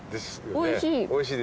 おいしい。